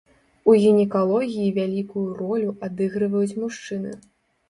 У гінекалогіі вялікую ролю адыгрываюць мужчыны.